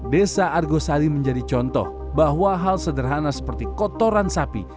desa argosari menjadi contoh bahwa hal sederhana seperti kotoran sapi